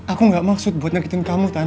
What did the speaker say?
aku nggak maksud buat nanggitin kamu tan